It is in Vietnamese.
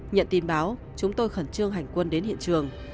nhận tin báo chúng tôi khẩn trương hành quân đến hiện trường